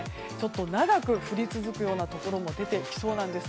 長く降り続くようなところも出てきそうなんです。